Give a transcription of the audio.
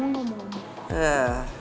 gue gak mau